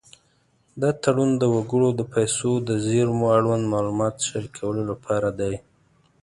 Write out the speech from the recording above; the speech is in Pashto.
دا تړون د وګړو د پیسو د زېرمو اړوند معلومات شریکولو لپاره دی.